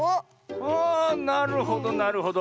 あなるほどなるほど。